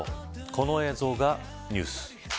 この映像がニュース。